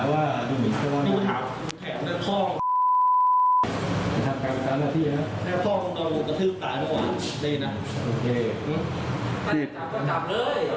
วันนี้จะจับก็จับเลย